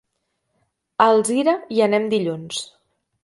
A Alzira hi anem dilluns.